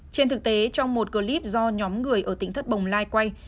trên thực tế trong một clip do nhóm người ở tỉnh thất bồng lai quay